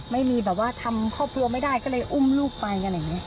ไม่มีแบบว่าทำครอบครัวไม่ได้ก็เลยอุ้มลูกไปอะไรอย่างนี้